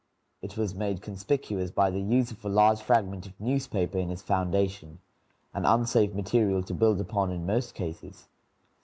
It was made conspicuous by the use of a large fragment of newspaper in its foundation, an unsafe material to build upon in most cases.